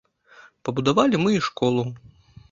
Пабудавалі мы і школу.